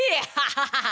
アハハハ。